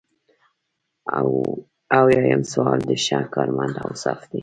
اویایم سوال د ښه کارمند اوصاف دي.